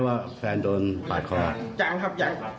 บาดแขนนะครับ